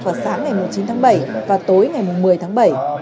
vào sáng ngày một mươi chín tháng bảy và tối ngày một mươi tháng bảy